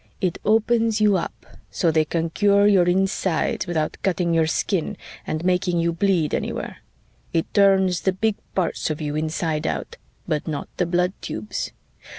"It opens you up so they can cure your insides without cutting your skin or making you bleed anywhere. It turns the big parts of you inside out, but not the blood tubes.